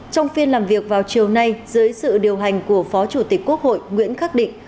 trong phiên làm việc vào chiều nay dưới sự điều hành của phó chủ tịch quốc hội nguyễn khắc định